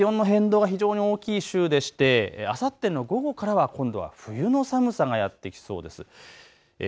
今週は気温の変動が非常に大きい週でしてあさっての午後からは今度は冬の寒さがやってきそうです。